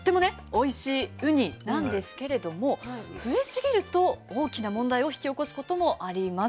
おいしいウニなんですけれども増えすぎると大きな問題を引き起こすこともあります。